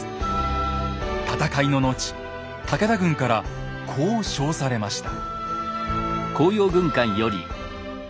戦いの後武田軍からこう賞されました。